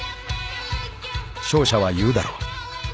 ［勝者は言うだろう］